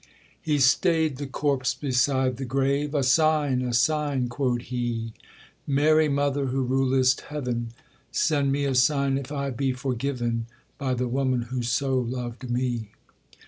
He stayed the corpse beside the grave; 'A sign, a sign!' quod he. 'Mary Mother who rulest heaven, Send me a sign if I be forgiven By the woman who so loved me.'